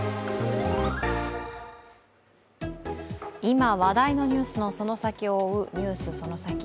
今、話題のニュースのその先を追う「ＮＥＷＳそのサキ！」。